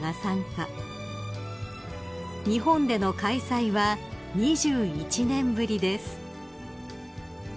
［日本での開催は２１年ぶりです］